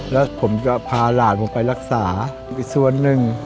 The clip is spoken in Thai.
แล้วผมจะพาหลานผมไปรักษาอีกส่วนหนึ่ง